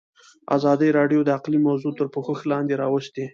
ازادي راډیو د اقلیم موضوع تر پوښښ لاندې راوستې.